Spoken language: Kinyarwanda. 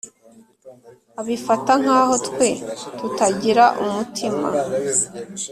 Abifata nk’aho twe tutagira umutima